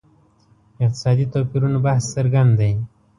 اقتصادي توپیرونو بحث څرګند دی.